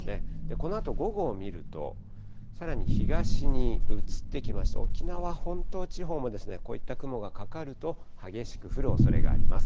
このあと午後を見ると、さらに東に移ってきまして、沖縄本島地方もこういった雲がかかると、激しく降るおそれがあります。